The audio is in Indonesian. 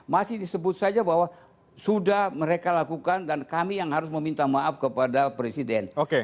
jadi tadi disebut saja bahwa sudah mereka lakukan dan kami yang harus meminta maaf kepada presiden